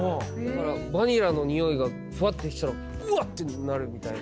バニラの匂いがふわって来たらうわっ！ってなるみたいな。